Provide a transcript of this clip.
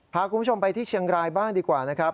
พาคุณผู้ชมไปที่เชียงรายบ้างดีกว่านะครับ